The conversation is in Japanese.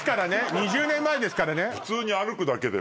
２０年前ですからね。